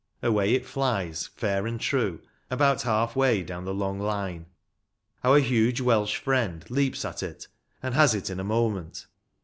Away it flies, fair and true, about half way down the long line. Our huge Welsh friend leaps at it, and has it in a moment.